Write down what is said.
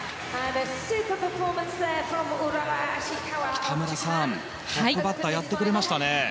北村さん、トップバッターやってくれましたね。